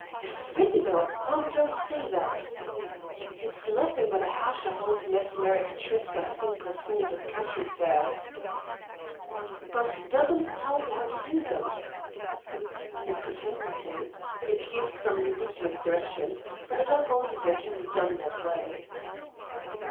"A swindle! Oh, don't say that." "It's nothing but a hash of old mesmeric tricks I've seen performed at country fairs." "But doesn't it tell you how to do them?" "It pretends to. It gives some ridiculous directions but I don't believe they can be done that way."